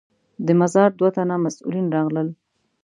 د مزار دوه تنه مسوولین راغلل.